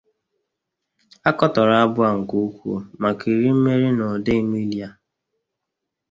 A katọrọ abụ a nke ukwuu maka iri mmeri n'ụda Emelia.